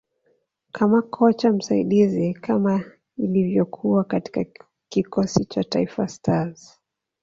kama kocha msaidizi kama ilivyokuwa katika kikosi cha Taifa Stars